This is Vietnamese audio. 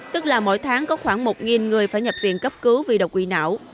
tức là mỗi tháng có khoảng một người phải nhập viện cấp cứu vì độc quỷ não